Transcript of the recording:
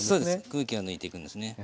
空気を抜いていくんですね。